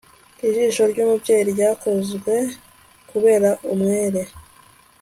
ijisho ry'umubyeyi ryakozwe kubera umwere